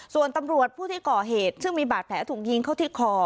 ส่วนตำรวจผู้ที่ก่อเหตุซึ่งมีบาดแผลถูกยิงเข้าที่คอ